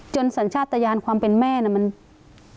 จนศรัทธิ์ตะยานความเป็นแม่นะมันต้องดึงลูกคืน